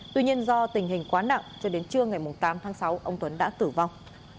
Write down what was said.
tuy nhiên do tình hình quá nặng cho đến trưa ngày tám tháng sáu ông tuấn đã tử vong